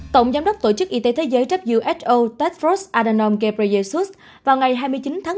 tổng giám đốc tổ chức y tế thế giới who tedros adhanom ghebreyesus vào ngày hai mươi chín tháng một mươi hai